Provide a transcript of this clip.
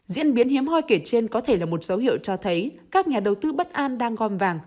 diễn biến hiếm hoi kể trên có thể là một dấu hiệu cho thấy các nhà đầu tư bất an đang gom vàng